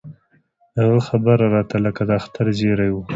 د هغه خبره راته لکه د اختر زېرى و.